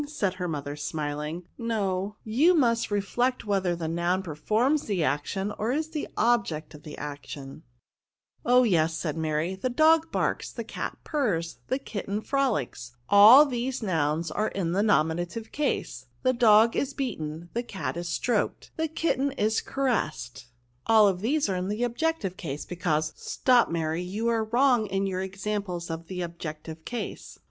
" said her mother, smiling ;" no, you must re flect whether the noun performs the action, or is the object of the action/* " Oh yes," said Mary, " the dog barks, the cat purrs, the kitten frolics; all these nouns are in the nominative case : the dog is beaten, the cat is stroked, the kitten is ca ressed; all these are in the objective case, because— " Stop, Mary, you are wrong in your ex amples of the objective case."